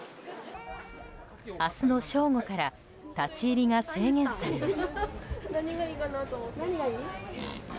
明日の正午から立ち入りが制限されます。